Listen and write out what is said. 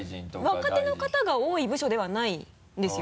本当に若手の方が多い部署ではないんですよ。